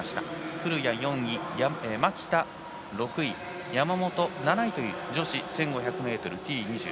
古屋、４位蒔田が６位山本７位という女子１５００ｍＴ２０。